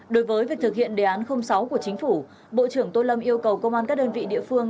đối với việc thực hiện đề án sáu của chính phủ bộ trưởng tô lâm yêu cầu công an các đơn vị địa phương